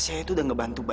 ada apa bu